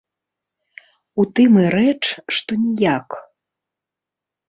У тым і рэч, што ніяк.